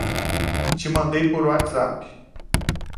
Te mandei por WhatsApp